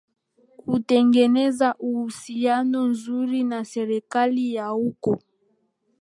kutengeneza uhusiano nzuri na serikali ya huko